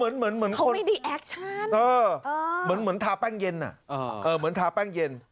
เค้าไม่ได้แอกชันอ่อเหมือนทาแป้งเย็นน่ะเออเหมือนทาแป้งเย็น